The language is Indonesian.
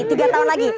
tiga tahun lagi